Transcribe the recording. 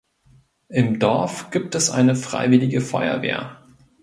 Im Dorf gibt es eine freiwillige Feuerwehr.